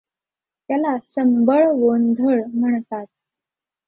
त्याला संबळ गोंधळ म्हणतात.